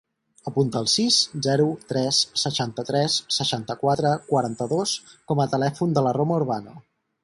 Apunta el sis, zero, tres, seixanta-tres, seixanta-quatre, quaranta-dos com a telèfon de la Roma Urbano.